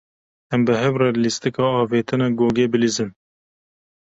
Em bi hev re lîstika avêtina gogê bilîzin.